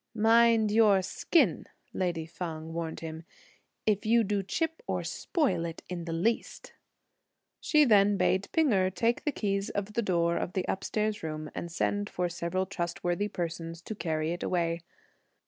"Mind your skin!" lady Feng warned him, "if you do chip or spoil it in the least." She then bade P'ing Erh take the keys of the door of the upstairs room and send for several trustworthy persons to carry it away.